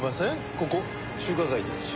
ここ中華街ですし。